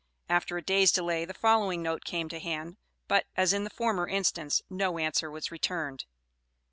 After a day's delay the following note came to hand, but, as in the former instance, no answer was returned.